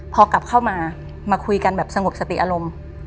พอกลับเข้ามามาคุยกันแบบสงบสติอารมณ์